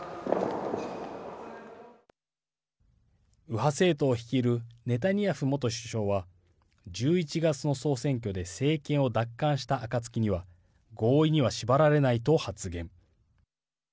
右派政党を率いるネタニヤフ元首相は１１月の総選挙で政権を奪還したあかつきには合意には縛られないと発言。